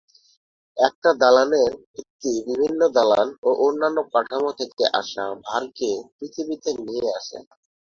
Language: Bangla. একটা দালানের ভিত্তি বিভিন্ন দালান ও অন্যান্য কাঠামো থেকে আসা ভারকে পৃথিবীতে নিয়ে আসে।